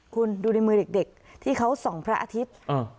คุณดูในมือเด็กที่เขาส่องพระอาทิตย์